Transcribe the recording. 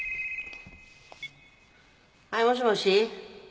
はいもしもし？